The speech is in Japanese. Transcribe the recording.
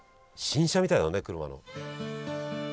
新車みたいだね車の。